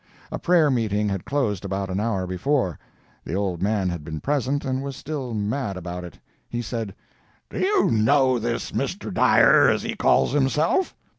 A prayer meeting had closed about an hour before. The old man had been present and was still mad about it. He said: "Do you know this Mr. Dyer, as he calls himself?"